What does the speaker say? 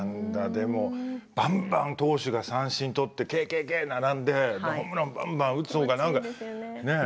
でもバンバン投手が三振取ってＫＫＫ並んでホームランバンバン打つ方が何かねえ